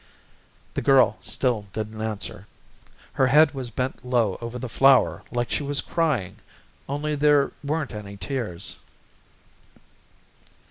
The girl still didn't answer. Her head was bent low over the flower like she was crying, only there weren't any tears.